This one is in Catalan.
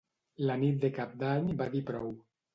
La nit de Cap d'Any va dir prou.